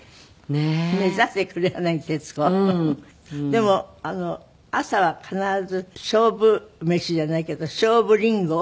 でも朝は必ず勝負飯じゃないけど勝負りんご？